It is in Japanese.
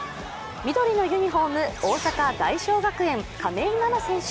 緑のユニフォーム、大阪・大商学園、亀井七奈選手。